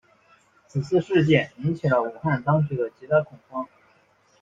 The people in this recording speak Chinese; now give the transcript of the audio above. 此次事件引起了武汉当局的极大恐慌。